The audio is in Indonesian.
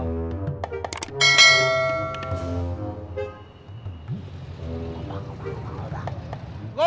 sini saya bakalan kebocoran